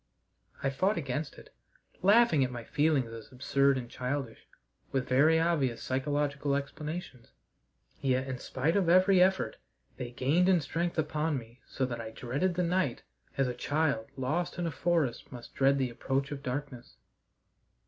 I fought against it, laughing at my feelings as absurd and childish, with very obvious physiological explanations, yet, in spite of every effort, they gained in strength upon me so that I dreaded the night as a child lost in a forest must dread the approach of darkness.